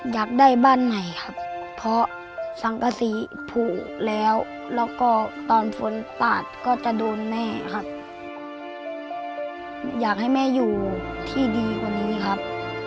อยากได้บ้านใหม่ครับเพราะสังกษีผูกแล้วแล้วก็ตอนฝนปาดก็จะโดนแม่ครับอยากให้แม่อยู่ที่ดีกว่านี้ครับ